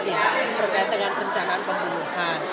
jadi ini berkaitan dengan perencanaan penguruhan